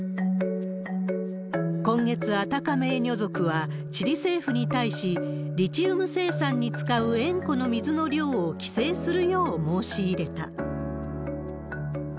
今月、アタカメーニョ族はチリ政府に対し、リチウム生産に使う塩湖の水の量を規制するよう申し入れた。